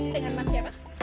dengan mas siapa